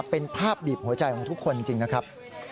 เป็นภาพบีบหัวใจของทุกคนจริงนะครับ